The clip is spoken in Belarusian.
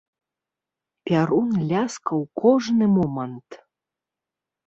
Пярун ляскаў кожны момант.